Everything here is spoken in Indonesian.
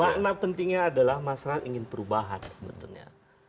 makna pentingnya adalah masyarakat ingin perubahan sebetulnya